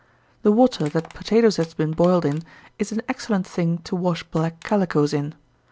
The water that potatoes has been boiled in is an excellent thing to wash black calicoes in.